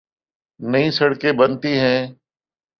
نئی سڑکیں بنتی ہیں۔